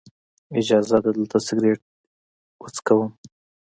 اجازه ده دلته سګرټ وڅکم.